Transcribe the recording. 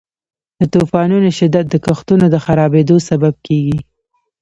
د طوفانونو شدت د کښتونو د خرابیدو سبب کیږي.